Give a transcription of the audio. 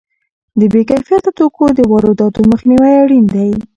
د بې کیفیته توکو د وارداتو مخنیوی اړین دی.